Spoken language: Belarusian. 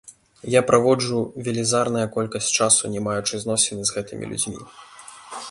Я праводжу велізарная колькасць часу, не маючы зносіны з гэтымі людзьмі.